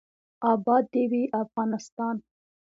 اباد دې وي افغانستان.